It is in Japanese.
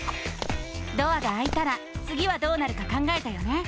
ドアがあいたらつぎはどうなるか考えたよね？